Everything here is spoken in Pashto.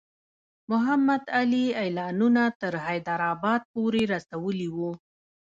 محمدعلي اعلانونه تر حیدرآباد پوري رسولي وو.